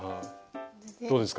どうですか？